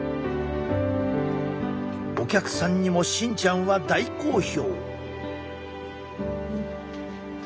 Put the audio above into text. お客さんにも芯ちゃんは大好評。